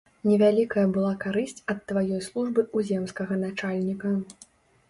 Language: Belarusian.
Невялікая была карысць ад тваёй службы ў земскага начальніка.